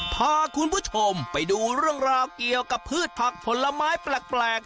พาคุณผู้ชมไปดูเรื่องราวเกี่ยวกับพืชผักผลไม้แปลก